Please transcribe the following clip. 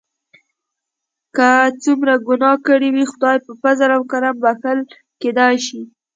که څومره ګناه کړي وي خدای په فضل او کرم بښل کیدای شي.